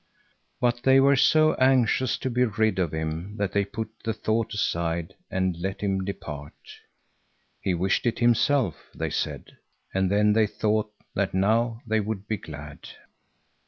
But they were so anxious to be rid of him that they put the thought aside and let him depart. "He wished it himself," they said; and then they thought that now they would be glad.